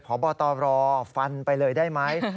พบตรฟันไปเลยได้ไหม